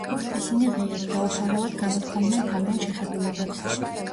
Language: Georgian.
ისინი ღიად, დაუფარავად გამოთქვამდნენ თავიანთ შეხედულებებს.